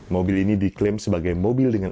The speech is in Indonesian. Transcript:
mobil ini diklaim sebagai mobil dengan